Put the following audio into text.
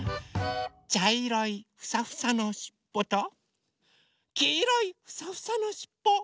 ちゃいろいフサフサのしっぽときいろいフサフサのしっぽ。